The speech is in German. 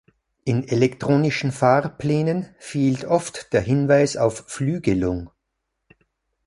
In elektronischen Fahrplänen fehlt oft der Hinweis auf Flügelung.